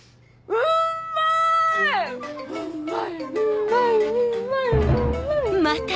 うんまい！